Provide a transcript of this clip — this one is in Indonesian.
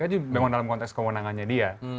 itu memang dalam konteks kewenangannya dia